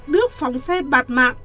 đức phóng xe bạt mạng